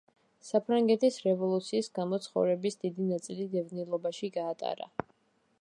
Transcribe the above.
საფრანგეთის რევოლუციის გამო ცხოვრების დიდი ნაწილი დევნილობაში გაატარა.